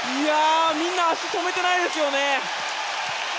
みんな足止めてないですね。